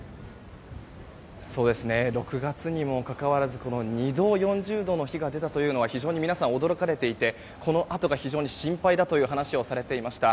６月にもかかわらず２度、４０度の日が出たことに非常に皆さん驚かれていてこのあとが心配だという話をされていました。